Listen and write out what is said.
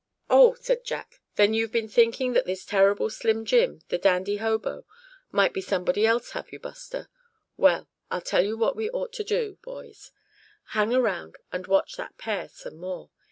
"Oh!" said Jack, "then you've been thinking that this terrible Slim Jim, the dandy hobo, might be somebody else, have you, Buster? Well, I tell you what we ought to do, boys hang around, and watch that pair some more.